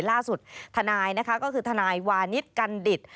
ล่าสุดทะนายวานิสกันดิต